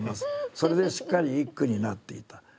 それでしっかり一句になっていた。